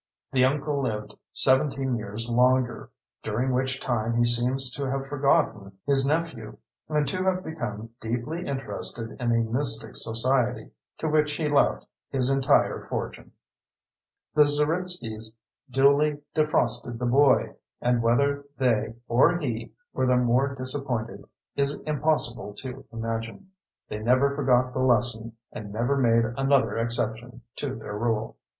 The uncle lived 17 years longer, during which time he seems to have forgotten his nephew and to have become deeply interested in a mystic society, to which he left his entire fortune. The Zeritskys duly defrosted the boy, and whether they or he were the more disappointed is impossible to imagine. They never forgot the lesson, and never made another exception to their rule.